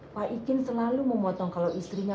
pak ikin selalu memotong kalau istrinya